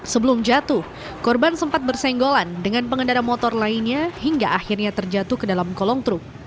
sebelum jatuh korban sempat bersenggolan dengan pengendara motor lainnya hingga akhirnya terjatuh ke dalam kolong truk